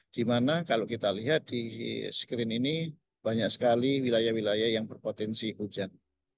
di mana kalau kita lihat di screen ini banyak sekali wilayah wilayah yang berpotensi hujan